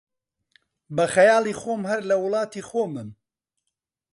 بە خەیاڵی خۆم، هەر لە وڵاتی خۆمم